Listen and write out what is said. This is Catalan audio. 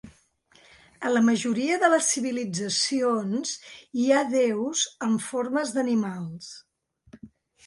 A la majoria de les civilitzacions hi ha déus amb formes d'animals.